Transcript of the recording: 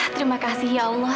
terima kasih ya allah